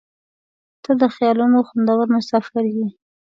• ته د خیالونو خوندور مسافر یې.